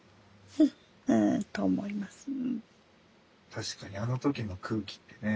確かにあの時の空気ってね。